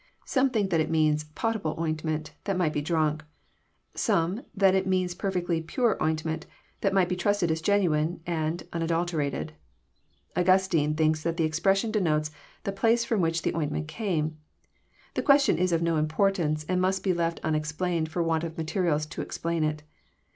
Some think that it means <* potable " oint ment, that might be drunk ; some that it means perfectly '< pure " ointment, that might be trusted as genuine and unadulterated. Augustine thinks that the expression denotes the place f^om which the ointment came. The question is of no importance, and must be left unexplained for want of materials to explain it.